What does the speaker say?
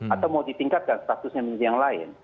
atau mau ditingkatkan statusnya menjadi yang lain